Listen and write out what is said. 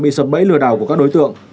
mì sập bẫy lừa đảo của các đối tượng